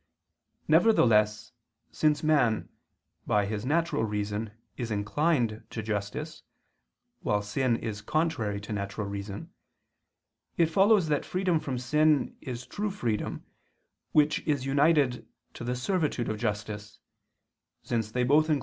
Nevertheless, since man, by his natural reason, is inclined to justice, while sin is contrary to natural reason, it follows that freedom from sin is true freedom which is united to the servitude of justice, since they both incline man to that which is becoming to him.